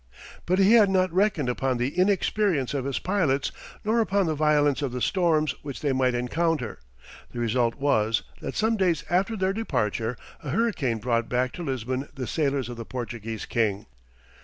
But he had not reckoned upon the inexperience of his pilots, nor upon the violence of the storms which they might encounter; the result was, that some days after their departure, a hurricane brought back to Lisbon the sailors of the Portuguese king.